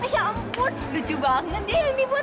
ya ampun lucu banget ya yang dibuat